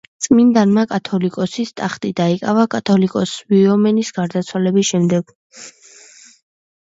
წმინდანმა კათოლიკოსის ტახტი დაიკავა კათოლიკოს სვიმეონის გარდაცვალების შემდეგ.